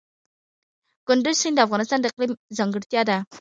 کندز سیند د افغانستان د اقلیم ځانګړتیا ده.